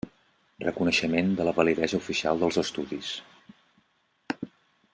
Reconeixement de la validesa oficial dels estudis.